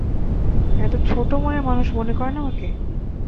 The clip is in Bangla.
এতো ছোট মনের মানুষ মনে করেন আমাকে?